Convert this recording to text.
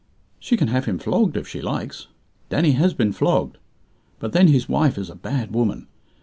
"She can have him flogged if she likes. Danny has been flogged. But then his wife is a bad woman.